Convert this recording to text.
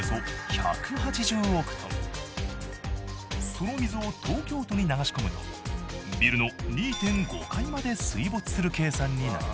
その水を東京都に流し込むとビルの２．５階まで水没する計算になります。